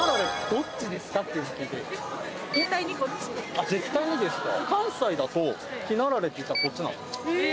あ絶対にですか。